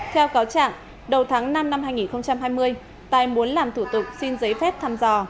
theo cáo trạng đầu tháng năm năm hai nghìn hai mươi tài muốn làm thủ tục xin giấy phép thăm dò